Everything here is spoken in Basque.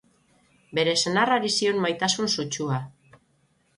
Bere senarrari zion maitasun sutsua.